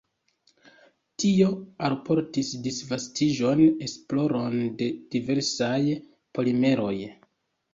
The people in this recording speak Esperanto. Tio alportis disvastiĝon, esploron de diversaj polimeroj.